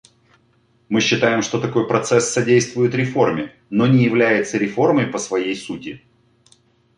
Мы считаем, что такой процесс содействует реформе, но не является реформой по своей сути.